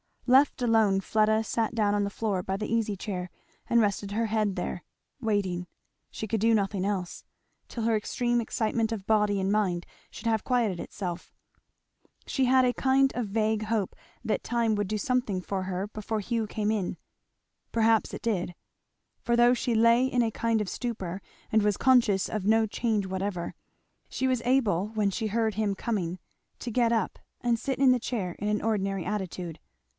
Left alone, Fleda sat down on the floor by the easy chair and rested her head there; waiting, she could do nothing else, till her extreme excitement of body and mind should have quieted itself. She had a kind of vague hope that time would do something for her before Hugh came in. Perhaps it did; for though she lay in a kind of stupor, and was conscious of no change whatever, she was able when she heard him coming to get up and sit in the chair in an ordinary attitude.